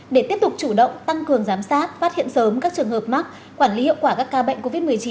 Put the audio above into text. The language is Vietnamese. để tiếp tục chủ động tăng cường giám sát phát hiện sớm các trường hợp mắc quản lý hiệu quả các ca bệnh covid một mươi chín